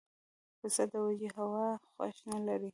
پسه د وچې هوا خوښ نه لري.